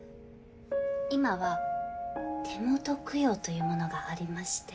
今は手元供養というものがありまして。